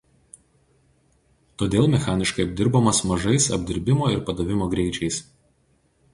Todėl mechaniškai apdirbamas mažais apdirbimo ir padavimo greičiais.